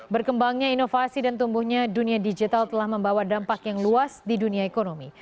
berkembangnya inovasi dan tumbuhnya dunia digital telah membawa dampak yang luas di dunia ekonomi